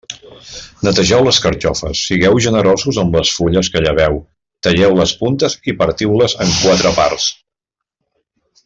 Netegeu les carxofes, sigueu generosos amb les fulles que lleveu, talleu les puntes i partiu-les en quatre parts.